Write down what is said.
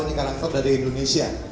ini karakter dari indonesia